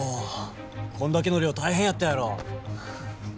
こんだけの量大変やったやろ。